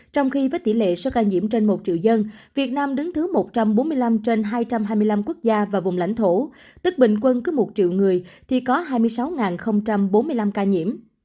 trong khi với tỷ lệ số ca nhiễm trên một triệu dân việt nam đứng thứ một trăm bốn mươi năm trên hai trăm hai mươi năm quốc gia và vùng lãnh thổ tức bình quân cứ một triệu người thì có hai mươi sáu bốn mươi năm ca nhiễm